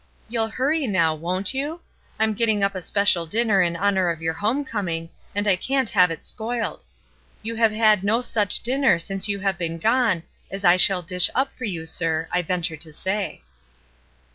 You'll hurry now, won't you? I'm getting up a special dinner in honor of your home coming, and I can't have it spoiled. You have had no 332 ESTER RIED'S NAMESAKE such dinner since you have been gone as I shall dish up for you, sir, I venttire to say."